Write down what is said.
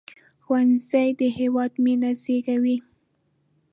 ښوونځی د هیواد مينه زیږوي